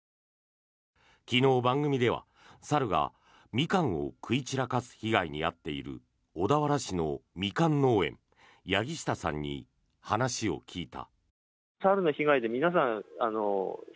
昨日、番組では猿がミカンを食い散らかす被害に遭っている小田原市のミカン農園八木下さんに話を聞いた。